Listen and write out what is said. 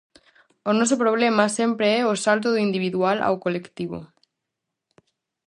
O noso problema sempre é o salto do individual ao colectivo.